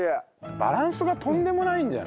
バランスがとんでもないんじゃない？